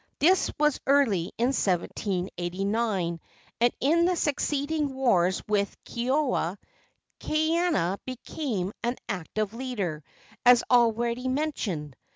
This was early in 1789, and, in the succeeding wars with Keoua, Kaiana became an active leader, as already mentioned.